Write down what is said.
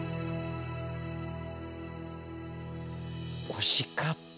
惜しかった！